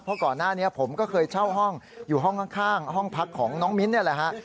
เพราะก่อนหน้านี้ผมก็เคยเช่าห้องอยู่ห้องข้างห้องพักของน้องมิ้นท์นี่แหละฮะ